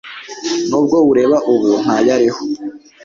n'ubwo ureba ubu ntayariho